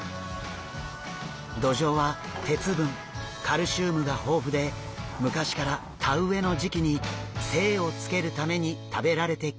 ドジョウは鉄分カルシウムが豊富で昔から田植えの時期に精をつけるために食べられてきました。